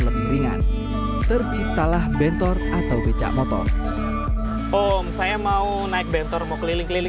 lebih ringan terciptalah bentor atau becak motor om saya mau naik bentor mau keliling keliling